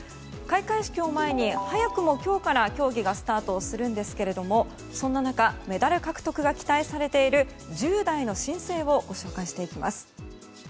開会式を前に早くも今日から競技がスタートするんですけれどもそんな中メダル獲得が期待されている１０代の新星をご紹介します。